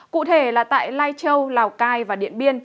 cụ thể là tại lai châu lào cai và điện biên